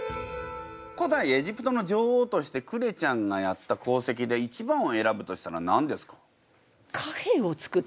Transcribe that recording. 古代エジプトの女王としてクレちゃんがやった功績で一番を選ぶとしたら何ですか？